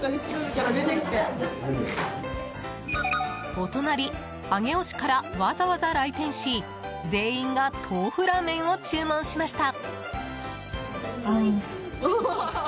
お隣、上尾市からわざわざ来店し全員が豆腐ラーメンを注文しました。